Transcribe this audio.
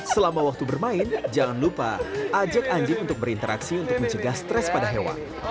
selama waktu bermain jangan lupa ajak anjing untuk berinteraksi untuk mencegah stres pada hewan